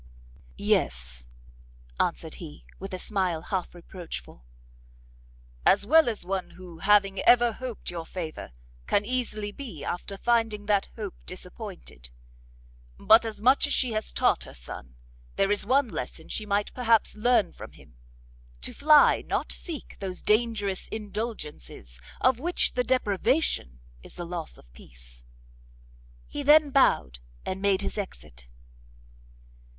"Yes," answered he, with a smile half reproachful, "as well as one who having ever hoped your favour, can easily be after finding that hope disappointed. But much as she has taught her son, there is one lesson she might perhaps learn from him; to fly, not seek, those dangerous indulgences of which the deprivation is the loss of peace!" He then bowed, and made his exit.